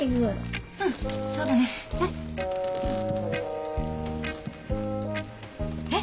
そうだね。え！